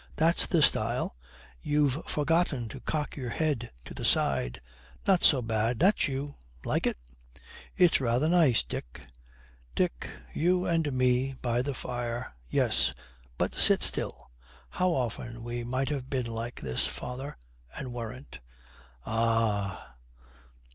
That's the style. You've forgotten to cock your head to the side. Not so bad. That's you. Like it?' 'It's rather nice, Dick. Dick, you and me by the fire!' 'Yes, but sit still. How often we might have been like this, father, and weren't.' 'Ah!'